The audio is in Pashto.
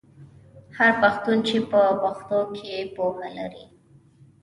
هر پښتون چې په پښتو کې پوهه لري.